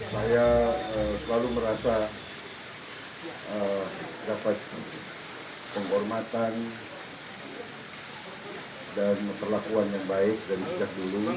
saya selalu merasa dapat penghormatan dan perlakuan yang baik dari sejak dulu